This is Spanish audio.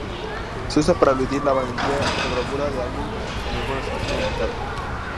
Se usa para aludir la valentía o bravura de alguien en alguna situación complicada.